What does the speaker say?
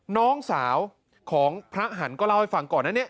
น้องสาวของพระหันต์ก็เล่าให้ฟังก่อนอันนี้